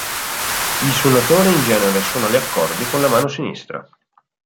Il suonatore in genere suona gli accordi con la mano sinistra.